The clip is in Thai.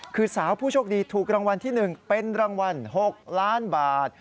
คือสาวผู้โชคดีถูกรางวัลที่๑เป็นรางวัล๖ล้านบาท